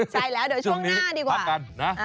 ใช่แล้วเดี๋ยวช่วงหน้าดีกว่ากันนะ